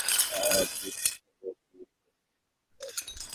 তবে তার আগে আগামীকাল সংযুক্ত আরব আমিরাতের সঙ্গে খেলবে একটি প্রস্তুতি ম্যাচ।